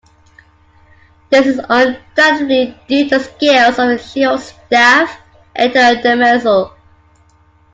This is undoubtedly due to the skills of his Chief of Staff, Eto Demerzel.